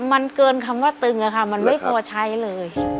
มันเกินคำว่าตึงอะค่ะมันไม่พอใช้เลย